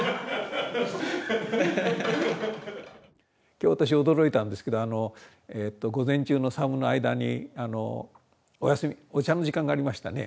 今日私驚いたんですけど午前中の作務の間にお休みお茶の時間がありましたね。